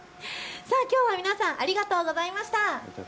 きょうは皆さんありがとうございました。